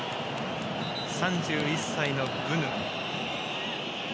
３１歳のブヌ。